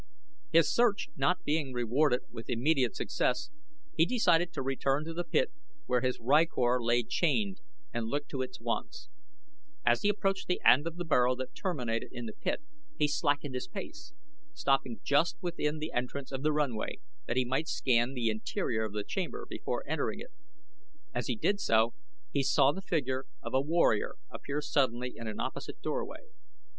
His search not being rewarded with immediate success, he decided to return to the pit where his rykor lay chained and look to its wants. As he approached the end of the burrow that terminated in the pit he slackened his pace, stopping just within the entrance of the runway that he might scan the interior of the chamber before entering it. As he did so he saw the figure of a warrior appear suddenly in an opposite doorway.